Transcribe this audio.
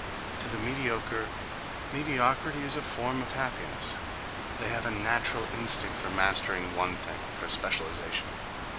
To the mediocre mediocrity is a form of happiness; they have a natural instinct for mastering one thing, for specialization.